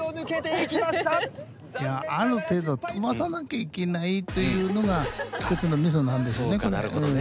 いやある程度飛ばさなきゃいけないというのが１つのみそなんですね